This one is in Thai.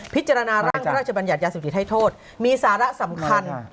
ผจรรนาร่างของทราชบัญญัตยาสมบูรณ์ให้โทษมีสาระสำคัญ